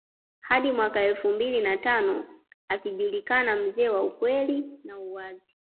Hadi mwaka elfu mbili na tano akijulikana mzee wa ukweli na uwazi